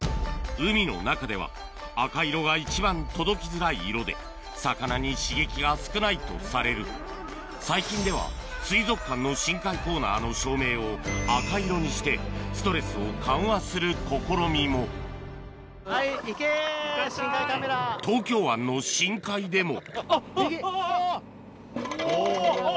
海の中では赤色が一番届きづらい色で魚に刺激が少ないとされる最近では水族館の深海コーナーの照明を赤色にしてストレスを緩和する試みも東京湾の深海でもあぁ！